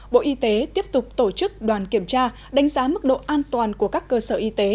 bộ y tế tiếp tục tổ chức đoàn kiểm tra đánh giá mức độ an toàn của các cơ sở y tế